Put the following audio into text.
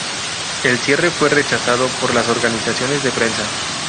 El cierre fue rechazado por las organizaciones de prensa.